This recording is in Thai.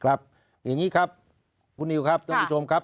ครับอย่างนี้ครับคุณนิวครับคุณผู้ชมครับ